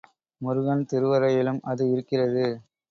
முருகன் திருவரையிலும் அது இருக்கிறது.